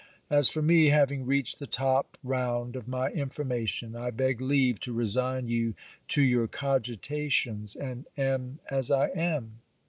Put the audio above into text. As for me, having reached the top round of my information, I beg leave to resign you to your cogitations and am as I am.